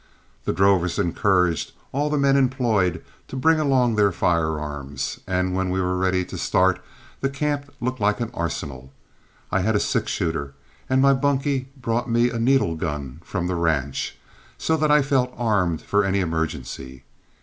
The drovers encouraged all the men employed to bring along their firearms, and when we were ready to start the camp looked like an arsenal. I had a six shooter, and my bunkie brought me a needle gun from the ranch, so that I felt armed for any emergency.